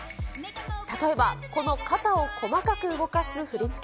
例えばこの肩を細かく動かす振り付け。